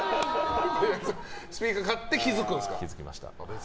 スピーカーを買って気づくんですか。